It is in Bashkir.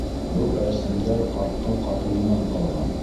Был рәсемдәр ҡарттың ҡатынынан ҡалған.